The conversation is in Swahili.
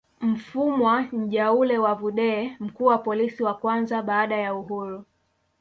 Mfumwa Njaule wa Vudee mkuu wa polisi wa kwanza baada ya uhuru